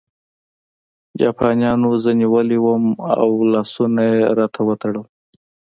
جاپانیانو زه نیولی وم او لاسونه یې راته وتړل